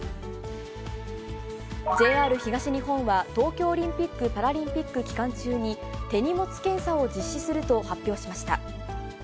ＪＲ東日本は、東京オリンピック・パラリンピック期間中に、手荷物検査を実施すると発表しました。